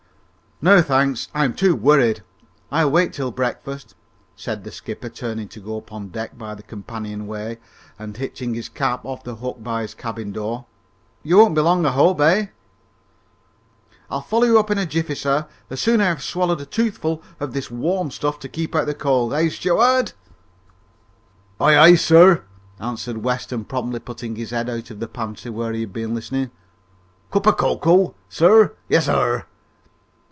"No, thanks; I'm too worried. I'll wait till breakfast," said the skipper, turning to go up on deck by the companion way and hitching his cap off the hook by his cabin door. "You won't be long, I hope, eh?" "I'll follow you up in a jiffey, sir, as soon as I have swallowed a toothful of this warm stuff to keep out the cold. Hi, steward?" "Aye, aye, sir?" answered Weston, promptly putting his head out of his pantry, where he had been listening. "Cup of cocoa, sir? yezzir."